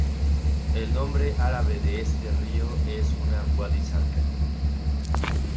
El nombre árabe de este río es una "Wadi-Zarka".